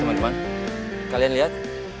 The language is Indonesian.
teman teman kalian lihat